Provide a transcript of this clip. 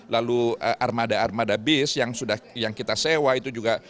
lalu armada armada bis yang kita sewa itu juga